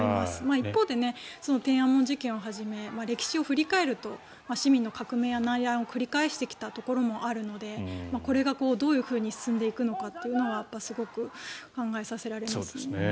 一方で天安門事件をはじめ歴史を振り返ると市民の革命や内乱を繰り返してきたところもあるのでこれがどういうふうに進んでいくのかというのはすごく考えさせられますね。